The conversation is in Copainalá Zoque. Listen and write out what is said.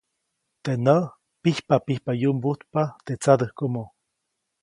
Teʼ näʼ pijpapijpa yumbujtpa teʼ tsadäjkomo.